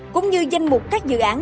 cũng như danh mục các dự án